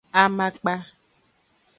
Amakpa.